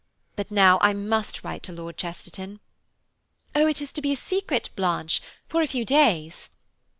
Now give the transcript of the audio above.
But now I must write to Lord Chesterton." "Oh! it is to be a secret, Blanche, for a few days."